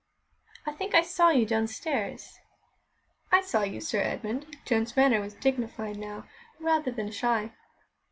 "I think I saw you downstairs." "I saw you, Sir Edmund." Joan's manner was dignified now, rather than shy.